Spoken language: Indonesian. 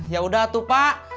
yaudah tuh pak